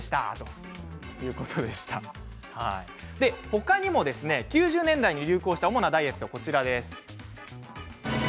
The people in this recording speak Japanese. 他にも９０年代に流行した主なダイエットはこちらです。